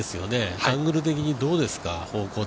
アングル的にどうですか？